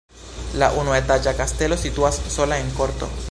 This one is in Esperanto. La unuetaĝa kastelo situas sola en korto.